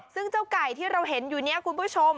ซึ่งเจ้าไก่ที่เราเห็นอยู่เนี่ยคุณผู้ชม